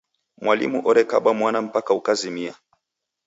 Mwalimu orekaba mwana mpaka ukazimia.